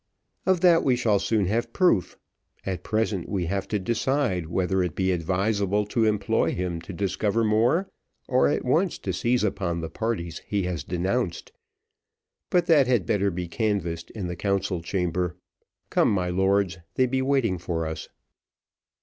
"Of that we shall soon have proof at present, we have to decide whether it be advisable to employ him to discover more, or at once to seize upon the parties he has denounced. But that had better be canvassed in the council chamber. Come, my lords, they be waiting for us."